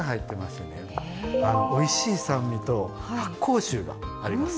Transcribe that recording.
おいしい酸味と発酵臭があります。